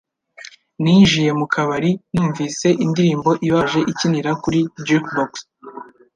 Ninjiye mu kabari, numvise indirimbo ibabaje ikinira kuri jukebox